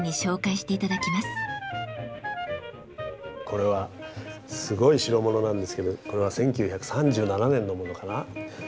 これはすごい代物なんですけどこれは１９３７年のものかな？